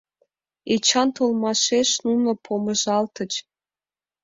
Эчан толмашеш нуно помыжалтыч.